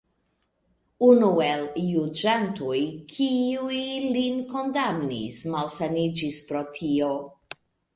Unu el juĝantoj, kiuj lin kondamnis, malsaniĝis pro tio.